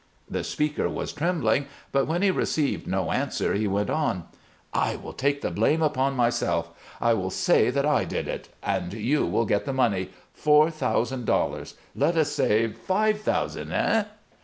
The speaker was trembling, but when he received no answer he went on: "I will take the blame upon myself. I will say that I did it; and you will get the money four thousand dollars. Let us say five thousand, eh?